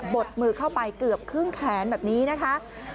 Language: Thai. ดมือเข้าไปเกือบครึ่งแขนแบบนี้นะคะ